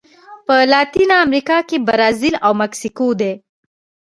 په لاتینه امریکا کې برازیل او مکسیکو دي.